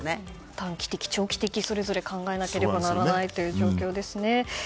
短期的・長期的それぞれ考えなければならないという状況ですね。